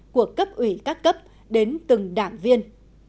của cấp ủy các cấp đến từng đảng viên